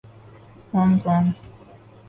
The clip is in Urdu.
Hong Kong